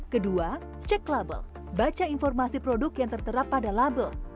kedua cek label baca informasi produk yang tertera pada label